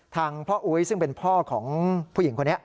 ทางพ่ออุ๊ยซึ่งเป็นพ่อของผู้หญิงคนนี้